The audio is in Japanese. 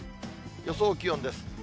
予想気温です。